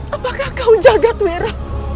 apakah kau jagadwira